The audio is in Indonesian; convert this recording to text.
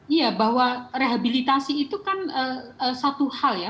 iya bahwa rehabilitasi itu kan satu hal ya